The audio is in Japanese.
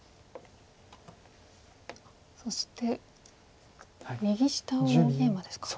そして右下を大ゲイマですか。